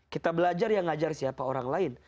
kita belajar yang ngajar siapa orang lain